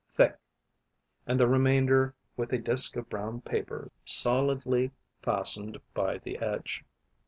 thick; and the remainder with a disk of brown paper solidly fastened by the edge.